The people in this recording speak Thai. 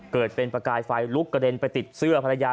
เกิดเป็นประกายไฟลุกกระเด็นไปติดเสื้อภรรยา